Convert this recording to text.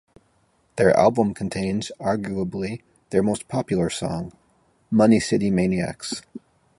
The album contains arguably their most popular song, "Money City Maniacs".